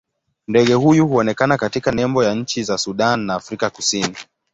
Ndege huyu huonekana katika nembo ya nchi za Sudan na Afrika Kusini.